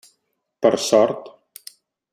Per sort.